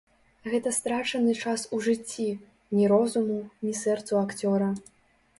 Гэта страчаны час у жыцці, ні розуму, ні сэрцу акцёра.